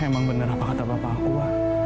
emang benar apa kata bapak aku wah